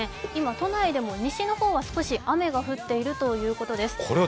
都内でも西の方は雨が降っているということです。